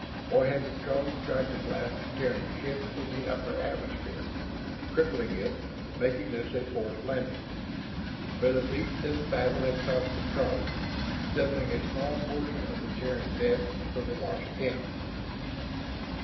Or had the Throgs tried to blast the Terran ship in the upper atmosphere, crippling it, making this a forced landing? But at least this battle had cost the Throgs, settling a small portion of the Terran debt for the lost camp.